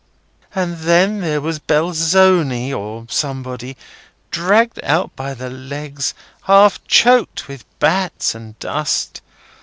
And then there was Belzoni, or somebody, dragged out by the legs, half choked with bats and dust.